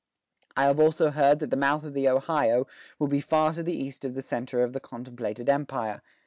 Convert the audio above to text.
I have also heard that the mouth of the Ohio will be far to the east of the center of the contemplated empire.